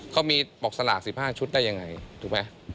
เขามีบอกสลาก๑๕ชุดได้ยังไงถูกไหม